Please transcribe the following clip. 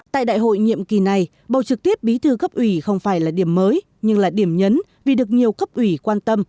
tại đại hội nhiệm kỳ này bầu trực tiếp bí thư cấp ủy không phải là điểm mới nhưng là điểm nhấn vì được nhiều cấp ủy quan tâm